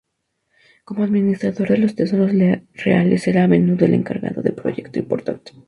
Como administrador de los tesoros reales era a menudo el encargado de proyecto importantes.